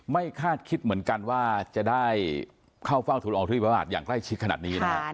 ไม่คาดคิดเหมือนกันว่าจะได้เข้าฟังธุรกรรมธุรกิจประวัติศาสตร์อย่างใกล้ชิดขนาดนี้นะ